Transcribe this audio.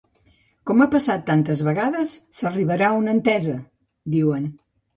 Com ha passat tantes vegades, s’arribarà a una entesa, diuen.